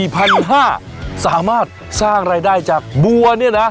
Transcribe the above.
สามารถสร้างรายได้จากบัวเนี่ยนะ